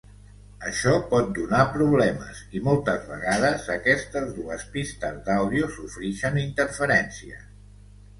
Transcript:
Això pot donar problemes i moltes vegades aquestes dues pistes d'àudio sofrixen interferències.